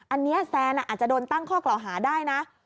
อันนี้แซนอาจจะโดนตั้งข้อกล่าวหาได้นะ